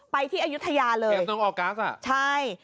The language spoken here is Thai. ไปที่อายุทยาเลยใช่